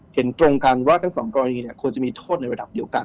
เห็นตรงกันว่าทั้งสองกรณีควรจะมีโทษในระดับเดียวกัน